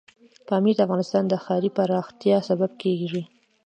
پامیر د افغانستان د ښاري پراختیا سبب کېږي.